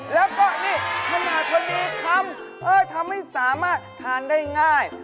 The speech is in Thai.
แล้วก็นี่ขนาดพอดีคำทำให้สามารถทานได้ง่าย